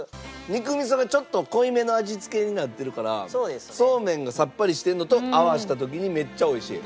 肉味噌がちょっと濃いめの味付けになってるからそうめんがさっぱりしてるのと合わせた時にめっちゃ美味しい。